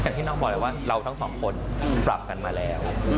ที่น้องบอยว่าเราทั้งสองคนปรับกันมาแล้ว